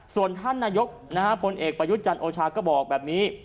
ส่วนท่านนายกพลเอกประยุทธ์จันทร์โอชาก็บอกแบบนี้